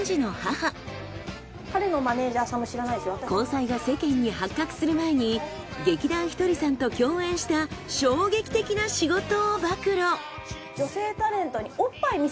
交際が世間に発覚する前に劇団ひとりさんと共演した衝撃的な仕事を暴露。